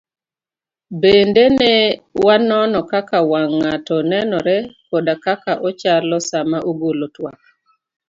Bende ne wanono kaka wang' ng'ato nenore koda kaka ochalo sama ogolo twak.